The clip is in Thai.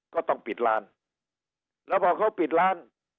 ก็ต้องปิดร้านแล้วพอเขาปิดร้าน